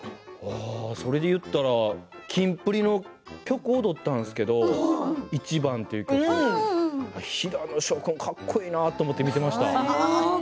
それで言ったらキンプリの曲、踊ったんですけど「ｉｃｈｉｂａｎ」という曲、平野紫耀君かっこいいなと思っていました。